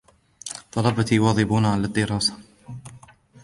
طلبتي يواظبون على الدراسة.